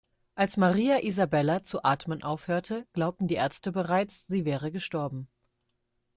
Als Maria Isabella zu atmen aufhörte, glaubten die Ärzte bereits, sie wäre gestorben.